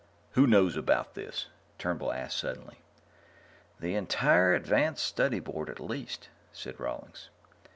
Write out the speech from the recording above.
"Who knows about this?" Turnbull asked suddenly. "The entire Advanced Study Board at least," said Rawlings.